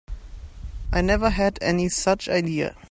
I never had any such idea.